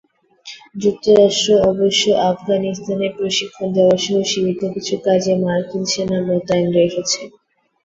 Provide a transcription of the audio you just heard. যুক্তরাষ্ট্র অবশ্য আফগানিস্তানে প্রশিক্ষণ দেওয়াসহ সীমিত কিছু কাজে মার্কিন সেনা মোতায়েন রেখেছে।